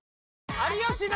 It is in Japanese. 有吉の。